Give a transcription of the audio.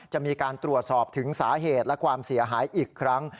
จะมีการตรวจสอบถึงสาเหตุและความเสียหายอีกครั้ง